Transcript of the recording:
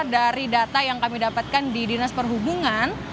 dari data yang kami dapatkan di dinas perhubungan